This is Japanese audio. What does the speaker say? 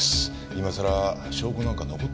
今さら証拠なんか残ってますかね？